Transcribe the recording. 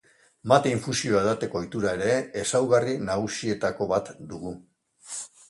Mate infusioa edateko ohitura ere ezaugarri nagusietako bat dugu.